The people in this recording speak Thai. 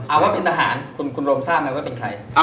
เอาว่าเป็นทหารคุณโรมทราบไหมว่าเป็นใคร